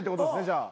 じゃあ。